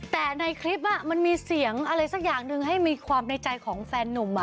แต่ในคลิปมันมีเสียงอะไรสักอย่างหนึ่งให้มีความในใจของแฟนนุ่ม